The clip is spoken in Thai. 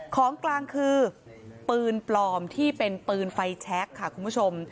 ของกลางคือปืนปลอมที่เป็นปืนไฟแชคค่ะคุณผู้ชม